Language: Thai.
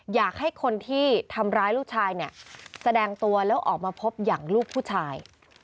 อยากให้คนที่ทำร้ายลูกชายเนี่ยแสดงตัวแล้วออกมาพบอย่างลูกผู้ชาย